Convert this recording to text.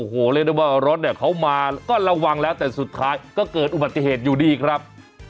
โอ้โหเรียกได้ว่ารถเนี่ยเขามาก็ระวังแล้วแต่สุดท้ายก็เกิดอุบัติเหตุอยู่ดีครับ